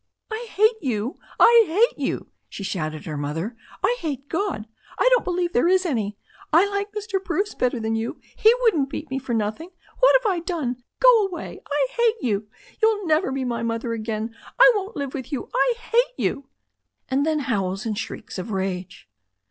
"I hate you! I hate you!" she shouted at her mother. "I hate God ! I don't believe there is any. I like Mr. Bruce better than you — he wouldn't beat me for nothing. What have I done? Go away! I hate you! You'll never be my mother again. I won't live with you! I hate you!'* And then howls and shrieks of rage.